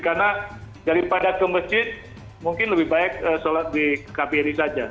karena daripada ke masjid mungkin lebih baik sholat di kbri saja